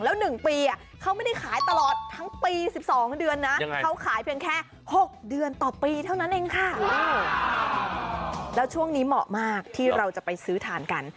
แล้วช่วงนี้เหมาะมากที่เราจะไปซื้อทานกัน